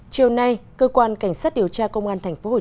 chiều nay cơ quan cảnh sát điều tra công an thành phố hà nội